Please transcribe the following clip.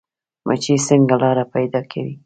مچۍ څنګه لاره پیدا کوي؟